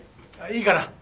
いいから！